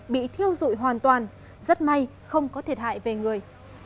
bị thiêu dụi hoàn toàn rất may không có thiệt hại về người